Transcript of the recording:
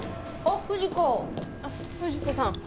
あっ不二子さん。